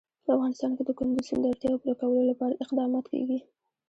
په افغانستان کې د کندز سیند د اړتیاوو پوره کولو لپاره اقدامات کېږي.